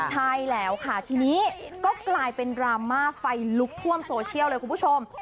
ใช่แล้วค่ะทีนี้ก็กลายเป็นดราม่าไฟลุกท่วมโซเชียลเลยคุณผู้ชม